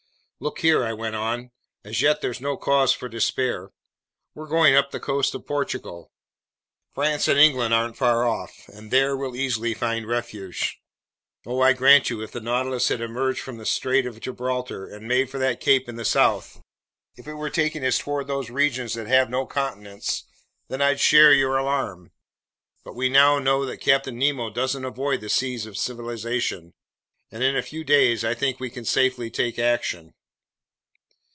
"Look here," I went on, "as yet there's no cause for despair. We're going up the coast of Portugal. France and England aren't far off, and there we'll easily find refuge. Oh, I grant you, if the Nautilus had emerged from the Strait of Gibraltar and made for that cape in the south, if it were taking us toward those regions that have no continents, then I'd share your alarm. But we now know that Captain Nemo doesn't avoid the seas of civilization, and in a few days I think we can safely take action."